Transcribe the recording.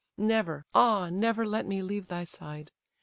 Never, ah, never let me leave thy side!